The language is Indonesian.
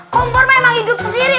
kompor memang hidup sendiri